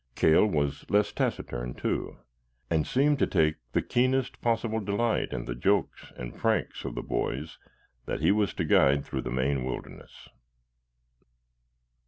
Cale was less taciturn, too, and seemed to take the keenest possible delight in the jokes and pranks of the boys that he was to guide through the Maine wilderness.